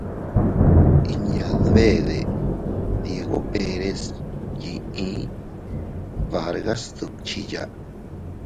Inña dbede, Diego Pérez yiʼi Vargas sduckhiya.